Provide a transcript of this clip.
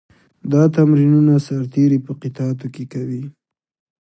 دا تمرینونه سرتېري په قطعاتو کې کوي.